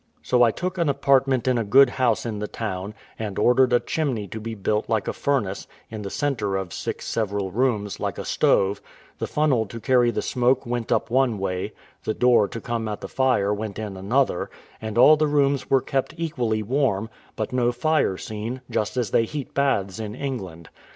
So I took an apartment in a good house in the town, and ordered a chimney to be built like a furnace, in the centre of six several rooms, like a stove; the funnel to carry the smoke went up one way, the door to come at the fire went in another, and all the rooms were kept equally warm, but no fire seen, just as they heat baths in England.